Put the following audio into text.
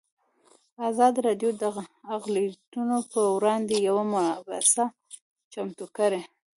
ازادي راډیو د اقلیتونه پر وړاندې یوه مباحثه چمتو کړې.